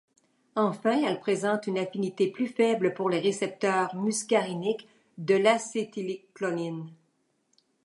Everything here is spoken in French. Enfin elle présente une affinité plus faible pour les récepteurs muscariniques de l'acétylcholine.